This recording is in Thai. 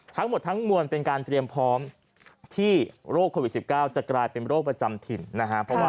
ทั้งหมดทั้งมวลเป็นการเตรียมพร้อมที่โรคโควิด๑๙จะกลายเป็นโรคประจำถิ่นนะฮะ